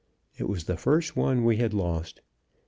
It was the first one we had lost.